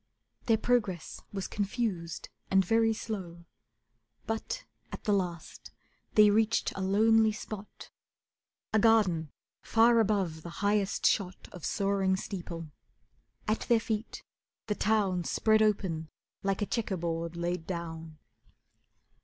Their progress was confused and very slow, But at the last they reached a lonely spot, A garden far above the highest shot Of soaring steeple. At their feet, the town Spread open like a chequer board laid down.